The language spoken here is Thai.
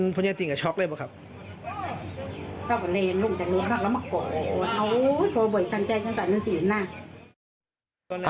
โอ้โฮถูกกำลังเลยจักรสายแลนท์สื่อนะ